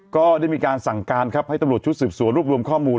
ก็ได้มีการสั่งการครับให้ตำรวจชุดสืบสวนรวบรวมข้อมูล